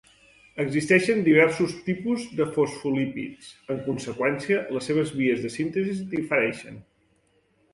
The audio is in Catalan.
Existeixen diversos tipus de fosfolípids; en conseqüència, les seves vies de síntesis difereixen.